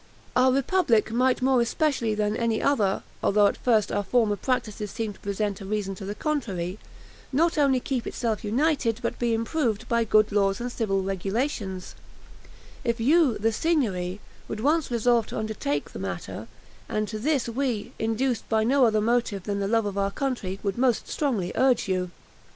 Our republic might more especially than any other (although at first our former practices seem to present a reason to the contrary), not only keep itself united but be improved by good laws and civil regulations, if you, the Signory, would once resolve to undertake the matter; and to this we, induced by no other motive than the love of our country, would most strongly urge you.